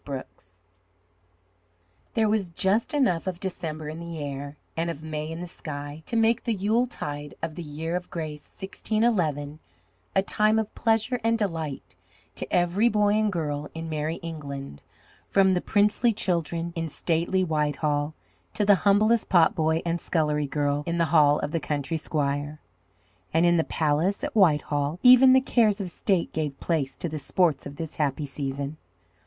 BROOKS There was just enough of December in the air and of May in the sky to make the Yuletide of the year of grace 1611 a time of pleasure and delight to every boy and girl in "Merrie England" from the princely children in stately Whitehall to the humblest pot boy and scullery girl in the hall of the country squire. And in the palace at Whitehall even the cares of state gave place to the sports of this happy season.